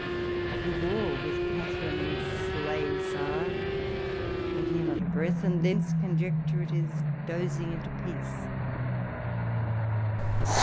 Of the war with Catherine Slay Czar I hear not a breath, and thence conjecture it is dozing into peace.